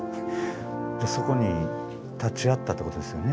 そこに立ち会ったってことですよね。